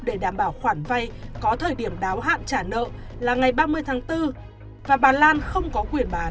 để đảm bảo khoản vay có thời điểm đáo hạn trả nợ là ngày ba mươi tháng bốn và bà lan không có quyền bán